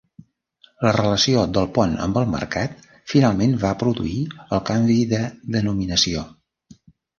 La relació del pont amb el mercat finalment va produir el canvi de denominació.